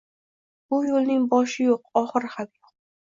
Bu yoʻlning boshi yoʻq, oxiri ham yoʻq